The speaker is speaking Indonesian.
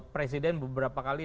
presiden beberapa kali